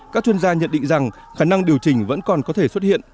các chuyên gia nhận định rằng khả năng điều chỉnh vẫn còn có thể xuất hiện